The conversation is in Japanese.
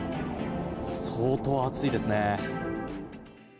相当暑いですね。